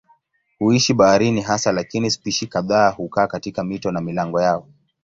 Huishi baharini hasa lakini spishi kadhaa hukaa katika mito na milango yao.